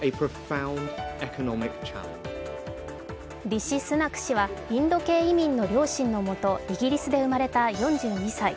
リシ・スナク氏はインド系移民の両親のもとイギリスで生まれた４２歳。